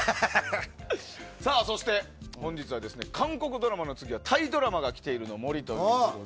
そして、本日は韓国ドラマの次はタイドラマが来ているの森ということで。